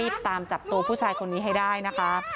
ตามจับตัวผู้ชายคนนี้ให้ได้นะคะ